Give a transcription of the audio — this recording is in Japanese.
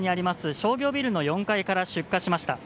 商業ビルの４階から出火しました。